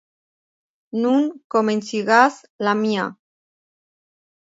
Nun komenciĝas la mia».